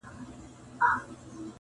یو په یو به نیسي ګرېوانونه د قاتل قصاب؛